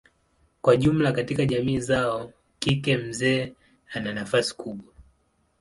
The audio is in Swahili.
Kwa jumla katika jamii zao kike mzee ana nafasi kubwa.